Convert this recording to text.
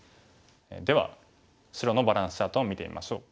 では白のバランスチャートを見てみましょう。